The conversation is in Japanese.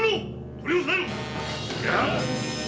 取り押さえろ！